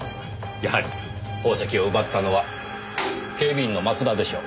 やはり宝石を奪ったのは警備員の増田でしょう。